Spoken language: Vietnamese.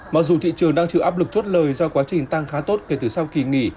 mặc dù thị trường đang chịu áp lực chốt lời do quá trình tăng khá tốt kể từ sau kỳ nghỉ